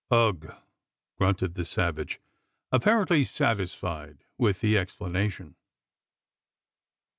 "Ugh!" grunted the savage, apparently satisfied with the explanation.